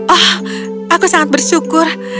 oh aku sangat bersyukur